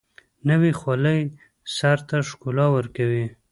نوې خولۍ سر ته ښکلا ورکوي